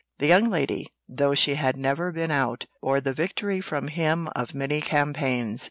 The young lady, though she had never been out, bore the victory from him of many campaigns.